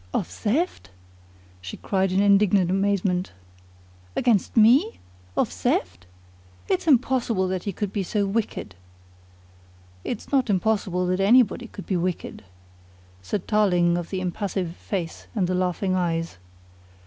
"Of theft?" she cried in indignant amazement. "Against me? Of theft? It's impossible that he could be so wicked!" "It's not impossible that anybody could be wicked," said Tarling of the impassive face and the laughing eyes.